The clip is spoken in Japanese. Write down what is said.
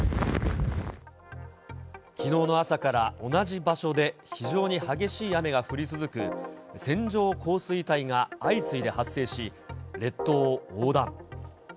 きのうの朝から同じ場所で非常に激しい雨が降り続く線状降水帯が相次いで発生し、列島を横断。